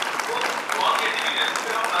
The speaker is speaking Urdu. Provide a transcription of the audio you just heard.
آزمائے ہوئے کو آزمانا بے وقوفی ہے۔